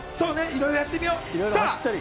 いろいろやってみよう。